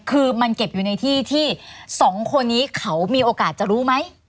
คือมันเก็บอยู่ในที่ที่สองคนนี้เขามีโอกาสจะรู้ไหม